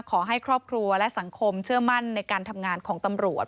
ขอให้ครอบครัวและสังคมเชื่อมั่นในการทำงานของตำรวจ